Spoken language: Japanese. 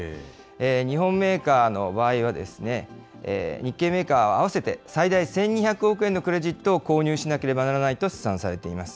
日本メーカーの場合は、日系メーカーは合わせて最大１２００億円のクレジットを購入しなければならないと試算されています。